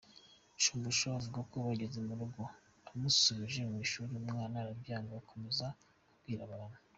Shumbusho avuga ko bageze mu rugo, amusubije ku ishuri umwana arabyanga akomeza kubwiriza abantu.